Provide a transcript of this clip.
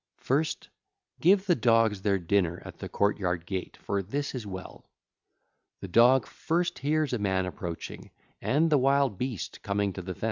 First give the dogs their dinner at the courtyard gate, for this is well. The dog first hears a man approaching and the wild beast coming to the fence.